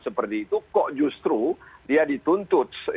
seperti itu kok justru dia dituntut